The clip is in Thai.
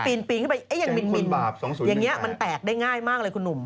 ปีนขึ้นไปยังมินอย่างนี้มันแตกได้ง่ายมากเลยคุณหนุ่ม